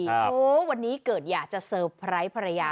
โอ้โหวันนี้เกิดอยากจะเตอร์ไพรส์ภรรยา